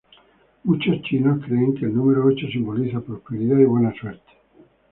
Muchos chinos, creen que el número ocho simboliza prosperidad y buena suerte.